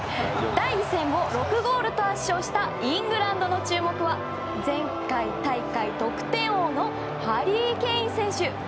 第１戦を６ゴールと圧勝したイングランドの注目は前回大会、得点王のハリー・ケイン選手。